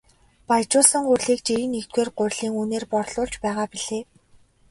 Баяжуулсан гурилыг жирийн нэгдүгээр гурилын үнээр борлуулж байгаа билээ.